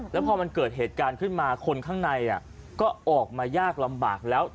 แล้วพอมันเกิดเหตุการณ์ขึ้นมาคนข้างในก็ออกมายากลำบากแล้ว